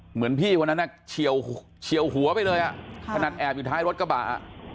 เหมือนพี่คนนั้นน่ะเชี่ยวหัวไปเลยอ่ะถ้านัดแอบอยู่ท้ายรถกระบะอ่ะ